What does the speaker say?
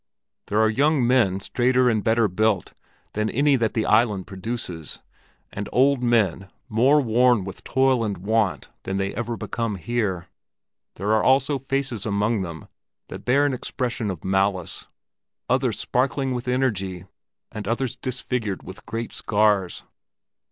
There are young men straighter and better built than any that the island produces, and poor old men more worn with toil and want than they ever become here. There are also faces among them that bear an expression of malice, others sparkling with energy, and others disfigured with great scars.